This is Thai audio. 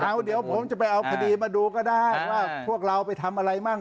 เอาเดี๋ยวผมจะไปเอาคดีมาดูก็ได้ว่าพวกเราไปทำอะไรมั่ง